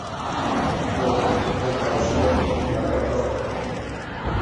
yo, compadecido , la traje hasta aquí.